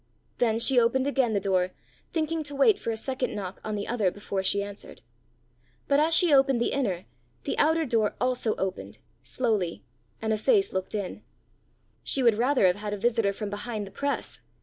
Then she opened again the door, thinking to wait for a second knock on the other before she answered. But as she opened the inner, the outer door also opened slowly and a face looked in. She would rather have had a visitor from behind the press!